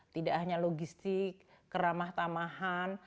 tidak hanya logistik keramah tamahan